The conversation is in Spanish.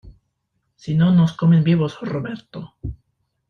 si no, nos comen vivos. Roberto .